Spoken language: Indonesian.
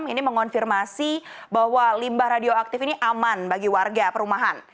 ini mengonfirmasi bahwa limbah radioaktif ini aman bagi warga perumahan